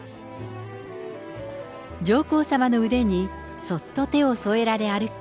上皇さまの腕に、そっと手を添えられ歩く